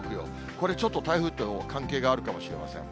これちょっと、台風と関係があるかもしれません。